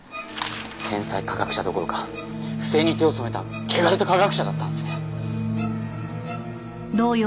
天才科学者どころか不正に手を染めた汚れた科学者だったんですね。